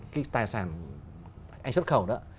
cái tài sản anh xuất khẩu đó